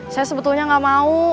saya sebetulnya gak mau